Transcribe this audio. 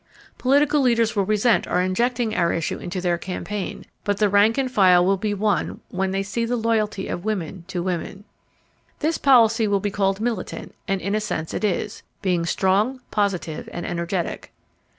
Political leaders will resent our injecting our issue into their campaign, but the rank and file will be won when they see the loyalty of women to women. This policy will be called militant and in a sense it is, being strong, positive and energetic.